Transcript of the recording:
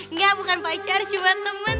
enggak bukan pacar cuma temen